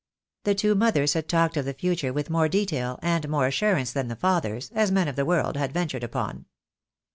The two mothers had talked of the future with more detail and more assurance than the fathers, as men of the world, had ventured upon.